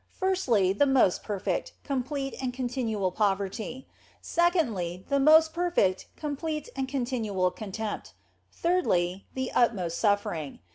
Firstly, the most perfect, complete, and continual poverty ; secondly, the most perfect, complete, and continual contempt ; thirdly, the utmost suffering.